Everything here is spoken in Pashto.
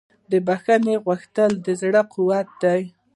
د بښنې غوښتنه د زړه قوت دی.